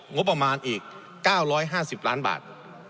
งบประมาณอีก๙๕๐ล้านบาท